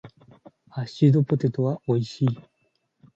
ハッシュドポテトは美味しい。